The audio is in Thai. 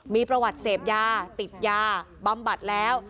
มีประวัติเสพยาติดยาบำบัดแล้ว